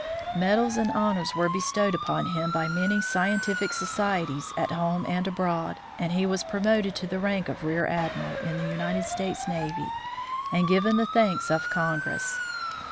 1 * Medals and honors were bestowed upon him by many scientific societies at home and abroad, and he was pro moted to the rank of Rear Admiral in the United States Navy, and given the thanks of Congress.